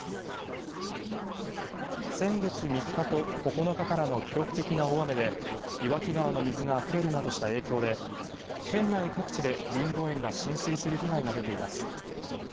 先月３日と９日からの記録的な大雨で岩木川の水があふれるなどした影響で県内各地でりんご園が浸水する被害が出ています。